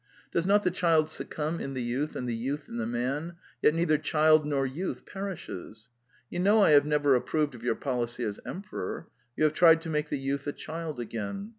Does not the child succumb in the youth and the youth in the man : yet neither child nor youth perishes. You know I have never approved of your policy as emperor. You have tried to make the youth a child again.